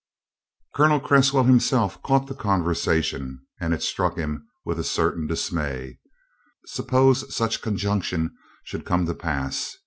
Colonel Cresswell himself caught the conversation and it struck him with a certain dismay. Suppose such a conjunction should come to pass?